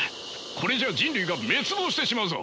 これじゃあ人類が滅亡してしまうぞ。